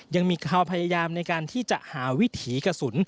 ยังมีความพยายามในการที่จะหาวิถีกระสุน